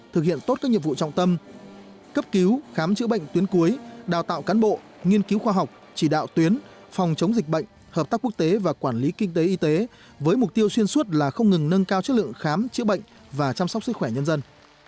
thực hiện tốt các nhiệm vụ trọng tâm cấp cứu khám chữa bệnh tuyến cuối đào tạo cán bộ nghiên cứu khoa học chỉ đạo tuyến phòng chống dịch bệnh hợp tác quốc tế và quản lý kinh tế y tế với mục tiêu xuyên suốt là không ngừng nâng cao chất lượng khám chữa bệnh và chăm sóc sức khỏe nhân dân